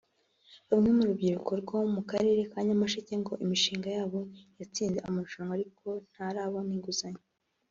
Bamwe mu rubyiruko rwo mu karere ka Nyamasheke ngo imishinga yabo yatsinze amarushanwa ariko ntarabona inguzanyo